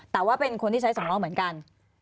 แต่ว่าเป็นคนที่ใช้สองล้อเหมือนกัน